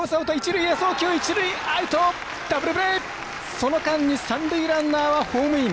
その間に三塁ランナーはホームイン。